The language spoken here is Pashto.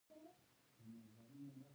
ایا زه بیا پوښتنه کولی شم؟